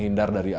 tidak ada apa apa